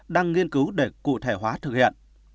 đang nghiên cứu để cụ thể hóa thực hiện